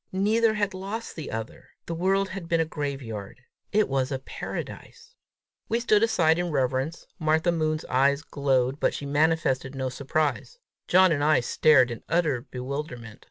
Neither had lost the other! The world had been a graveyard; it was a paradise! We stood aside in reverence. Martha Moon's eyes glowed, but she manifested no surprise. John and I stared in utter bewilderment.